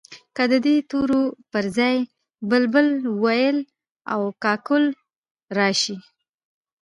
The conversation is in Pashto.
که د دې تورو پر ځای بلبل، وېل او کاکل راشي.